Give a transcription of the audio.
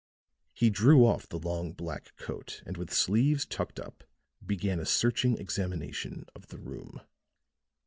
He drew off the long black coat and with sleeves tucked up began a searching examination of the room.